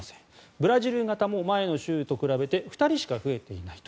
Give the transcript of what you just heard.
ブラジル型も前の週と比べて２人しか増えていないと。